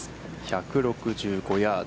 １６５ヤード。